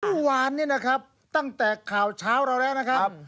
เมื่อวานนี้นะครับตั้งแต่ข่าวเช้าเราแล้วนะครับ